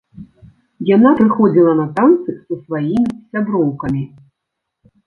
Яна прыходзіла на танцы са сваімі сяброўкамі.